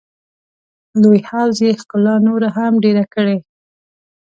لوی حوض یې ښکلا نوره هم ډېره کړې.